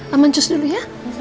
amancus dulu ya